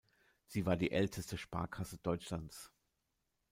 Sie war die älteste Sparkasse Deutschlands.